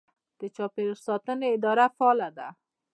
د چاپیریال ساتنې اداره فعاله ده.